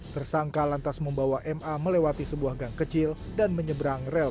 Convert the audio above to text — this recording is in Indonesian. tersangka lantas membawa ma melewati sebuah gang kecil dan menyeberang rel